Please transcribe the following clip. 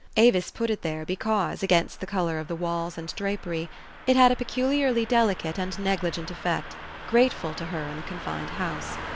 Avis put it there, because, against the color of the walls and draper}', it had a peculiarly delicate and negligent effect, grateful to her in the confined house.